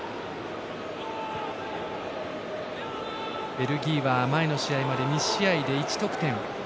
ベルギーは前の試合まで２試合で１得点。